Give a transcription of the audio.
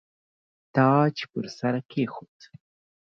تاج پر سر کښېښود.